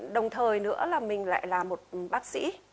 đồng thời nữa là mình lại là một bác sĩ